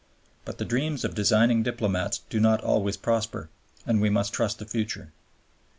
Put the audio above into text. But the dreams of designing diplomats do not always prosper, and we must trust the future.